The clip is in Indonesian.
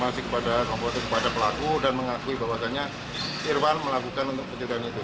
tadi saya konfirmasi kepada pelaku dan mengakui bahwa irwan melakukan penceritaan itu